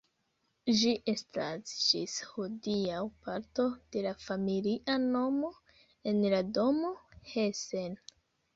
Ĝi estas ĝis hodiaŭ parto de la familia nomo en la domo Hessen.